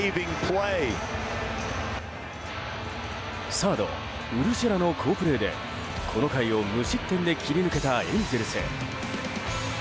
サード、ウルシェラの好プレーでこの回を無失点で切り抜けたエンゼルス。